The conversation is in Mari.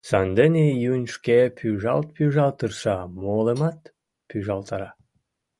Сандене июнь шке пӱжалт-пӱжалт тырша, молымат пӱжалтара.